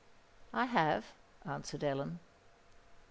"I have," answered Ellen.